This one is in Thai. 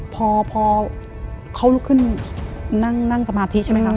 พอเขาลุกขึ้นนั่งสมาธิใช่ไหมคะ